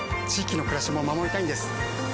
域の暮らしも守りたいんです。